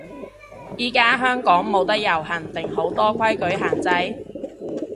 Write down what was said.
依家香港冇得遊行定好多規矩限制？